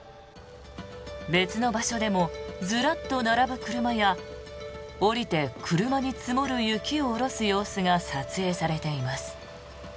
別の場所でもずらっと並ぶ車や降りて車に積もる雪を下ろす様子が撮影されています。